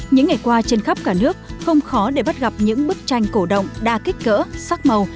những ngày qua trên khắp cả nước không khó để bắt gặp những bức tranh cổ động đa kích cỡ sắc màu